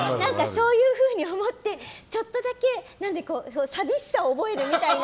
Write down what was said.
そういうふうに思ってちょっとだけ寂しさを覚えるみたいな。